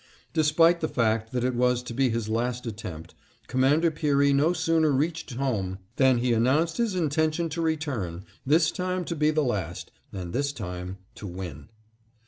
Despite the fact that it was to be his last attempt, Commander Peary no sooner reached home than he announced his intention to return, this time to be the last, and this time to win.